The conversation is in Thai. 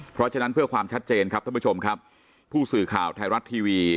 เพราะฉะนั้นเพื่อความชัดเจนครับท่านผู้ชมครับผู้สื่อข่าวไทยรัฐทีวี